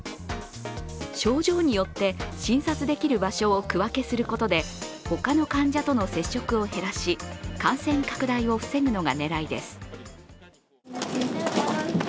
症状によって診察できる場所を区分けすることで他の患者との接触を減らし感染拡大を防ぐのが狙いです。